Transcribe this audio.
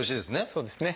そうですね。